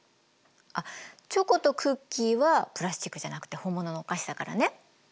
あっチョコとクッキーはプラスチックじゃなくて本物のお菓子だからね。